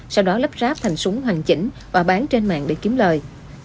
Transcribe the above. sau đó lắp ráp thành súng hoàn chỉnh và bán trên mạng để kiếm lời